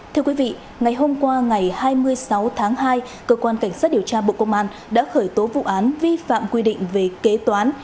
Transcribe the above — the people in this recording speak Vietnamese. thưa quý vị ngày hôm qua ngày hai mươi sáu tháng hai cơ quan cảnh sát điều tra bộ công an đã khởi tố vụ án vi phạm quy định về kế toán